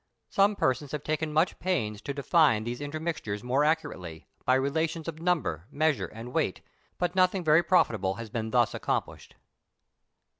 Some persons have taken much pains to define these intermixtures more accurately, by relations of number, measure, and weight, but nothing very profitable has been thus accomplished.